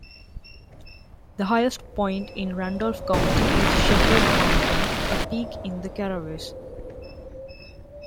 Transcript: The highest point in Randolph County is Shepherd Mountain, a peak in the Caraways.